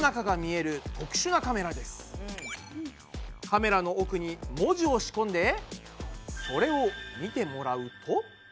カメラの奥に文字をしこんでそれを見てもらうと。